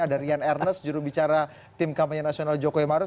ada rian ernest jurubicara tim kampanye nasional jokowi maruf